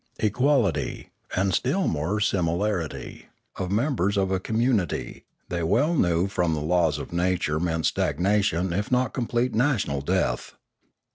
Equality, and still more similarity, of members of a community, they well knew from the laws of nature meant stagnation if not com plete national death.